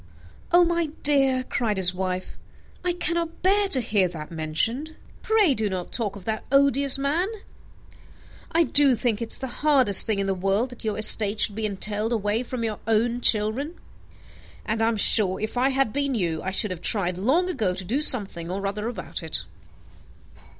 "Oh, my dear," cried his wife, "I cannot bear to hear that mentioned. Pray do not talk of that odious man. I do think it is the hardest thing in the world, that your estate should be entailed away from your own children; and I am sure, if I had been you, I should have tried long ago to do something or other about it."